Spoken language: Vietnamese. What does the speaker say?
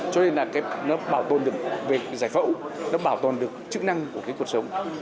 cho nên là nó bảo tồn được việc giải phẫu nó bảo tồn được chức năng của cuộc sống